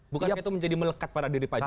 bukankah itu menjadi melekat pada diri pak jokowi